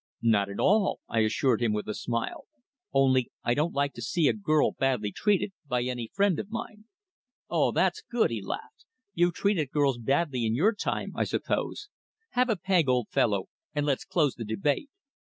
"Not at all," I assured him with a smile. "Only I don't like to see a girl badly treated by any friend of mine." "Oh, that's good!" he laughed. "You've treated girls badly in your time, I suppose. Have a peg, old fellow, and let's close the debate."